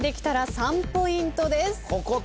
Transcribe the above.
３ポイント獲得！